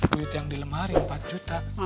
duit yang dilemari empat juta